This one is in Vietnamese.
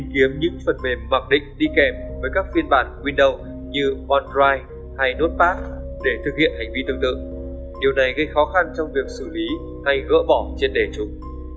điều này gây khó khăn trong việc xử lý hay gỡ bỏ trên đề trục